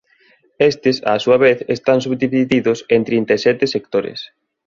Estes á súa vez están subdivididos en trinta e sete sectores.